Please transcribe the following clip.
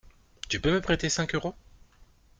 Tu peux me prêter cinq euros?